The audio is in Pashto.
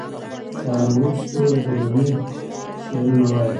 د هالیووډ ستوري د رومي شعرونه وايي.